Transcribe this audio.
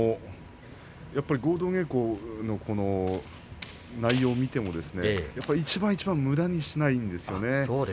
合同稽古の内容を見ていても一番一番むだにしないんですよね。